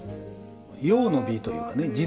用の美というかね